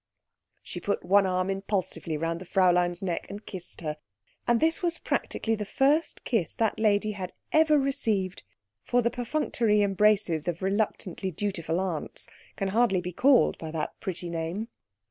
She put one arm impulsively round the Fräulein's neck and kissed her, and this was practically the first kiss that lady had ever received, for the perfunctory embraces of reluctantly dutiful aunts can hardly be called by that pretty name.